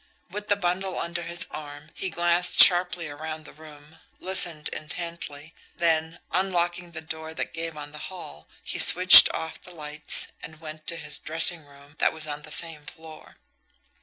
With the bundle under his arm, he glanced sharply around the room, listened intently, then, unlocking the door that gave on the hall, he switched off the lights and went to his dressing room, that was on the same floor.